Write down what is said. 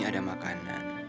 sampai jumpa di video selanjutnya